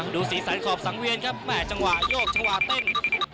ดูสีสันขอบสังเวียนครับแม่จังหวะโยกจังหวะเต้น